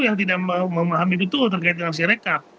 yang tidak memahami betul terkait dengan sirekap